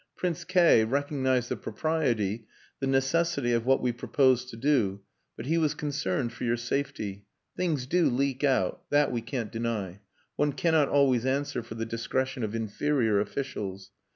Prince K recognized the propriety, the necessity of what we proposed to do, but he was concerned for your safety. Things do leak out that we can't deny. One cannot always answer for the discretion of inferior officials.